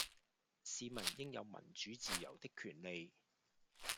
市民應有民主自由的權利